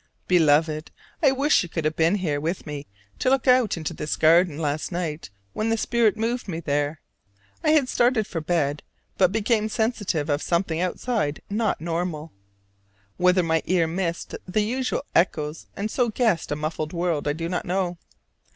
Beloved: I wish you could have been with me to look out into this garden last night when the spirit moved me there. I had started for bed, but became sensitive of something outside not normal. Whether my ear missed the usual echoes and so guessed a muffled world I do not know.